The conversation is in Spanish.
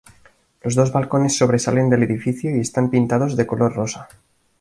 Los dos balcones sobresalen del edificio y están pintados de color rosa.